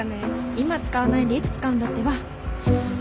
今使わないでいつ使うんだってば！